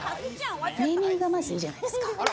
ネーミングが、まずいいじゃないですか。